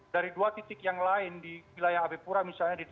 dari dua titik yang lain di wilayah ab pura misalnya di jawa